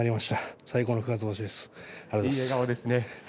いい笑顔ですね